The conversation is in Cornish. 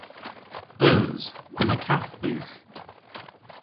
Eus. Yma kath dhywgh.